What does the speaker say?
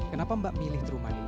kenapa mbak milih true money